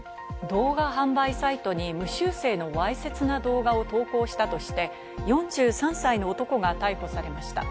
動画販売サイトに無修正のわいせつな動画を投稿したとして、４３歳の男が逮捕されました。